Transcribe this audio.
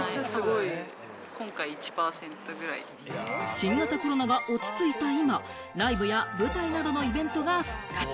新型コロナが落ち着いた今、ライブや舞台などのイベントが復活。